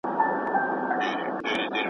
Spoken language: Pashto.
د وطن په قدر مساپر ښه پوهېږي